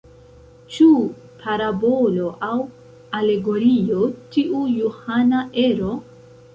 Ĉu parabolo aŭ alegorio tiu johana ero?